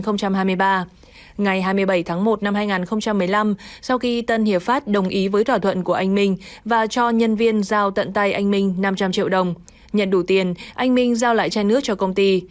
ngày hai mươi bảy tháng một năm hai nghìn một mươi năm sau khi tân hiệp pháp đồng ý với thỏa thuận của anh minh và cho nhân viên giao tận tay anh minh năm trăm linh triệu đồng nhận đủ tiền anh minh giao lại chai nước cho công ty